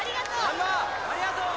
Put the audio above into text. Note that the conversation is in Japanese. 難破ありがとう！